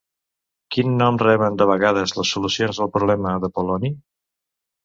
Quin nom reben de vegades les solucions del problema d'Apol·loni?